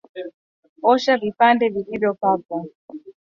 Osha vipande vilivyokatwa